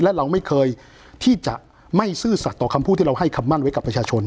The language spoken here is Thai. และเราไม่เคยที่จะไม่ซื่อสัตว์ต่อคำพูดที่เราให้คำมั่นไว้กับประชาชน